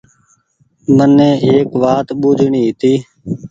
مني ايڪ وآت ٻوجڻي هيتي